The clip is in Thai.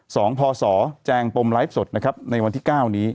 สองพศแจงโปมไลฟ์ศทในวันที่๙นี้